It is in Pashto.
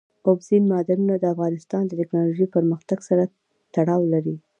اوبزین معدنونه د افغانستان د تکنالوژۍ پرمختګ سره تړاو لري.